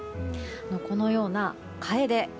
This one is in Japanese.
このようなカエデ